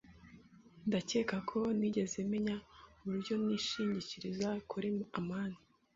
Ndakeka ko ntigeze menya uburyo nishingikiriza kuri amani.